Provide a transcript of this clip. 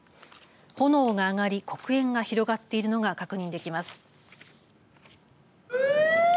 炎が上がり、黒煙が広がっているのが、確認できます。